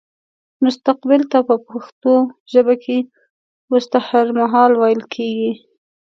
مستقبل ته په پښتو ژبه کې وستهرمهال ويل کيږي